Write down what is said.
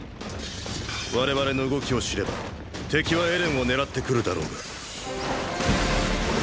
我々の動きを知れば敵はエレンを狙って来るだろうがー